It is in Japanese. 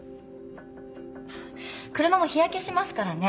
車も日焼けしますからね。